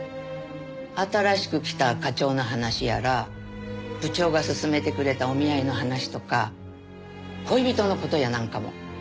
新しく来た課長の話やら部長がすすめてくれたお見合いの話とか恋人の事やなんかも。